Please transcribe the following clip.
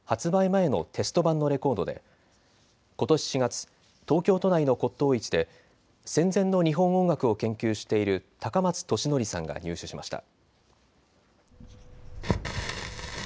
前のテスト盤のレコードでことし４月、東京都内の骨とう市で戦前の日本音楽を研究している高松敏典さんが入手しました。